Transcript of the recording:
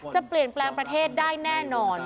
จะเปลี่ยนแปลงประเทศได้แน่นอน